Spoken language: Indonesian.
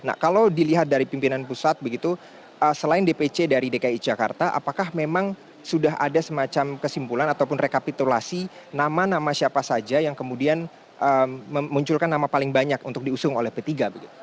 nah kalau dilihat dari pimpinan pusat begitu selain dpc dari dki jakarta apakah memang sudah ada semacam kesimpulan ataupun rekapitulasi nama nama siapa saja yang kemudian memunculkan nama paling banyak untuk diusung oleh p tiga